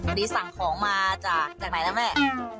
พอดีสั่งของมาจากจากไหนล่ะแม่